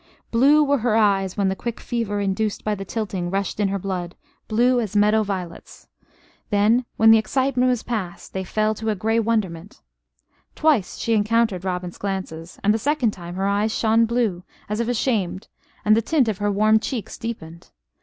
Blue were her eyes when the quick fever induced by the tilting rushed in her blood blue as meadow violets. Then, when the excitement was passed, they fell to a grey wonderment. Twice she encountered Robin's glances; and the second time her eyes shone blue, as if ashamed, and the tint of her warm cheeks deepened.